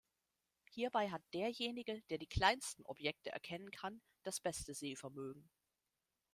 Hierbei hat derjenige, der die kleinsten Objekte erkennen kann, das beste Sehvermögen.